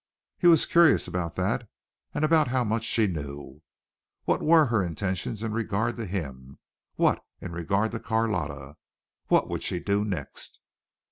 He was curious about that and about how much she knew. What were her intentions in regard to him? What in regard to Carlotta? What would she do next?